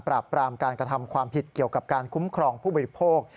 ปราบปรามการกระทำความผิดเกี่ยวกับการคุ้มครองผู้บริโภค